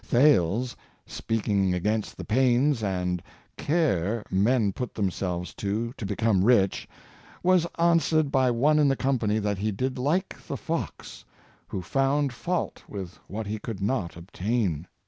" Thales, speaking against the pains and care men put themselves to to become rich, was answered by one in the company that he did like the fox, who found fault with what he could not obtain.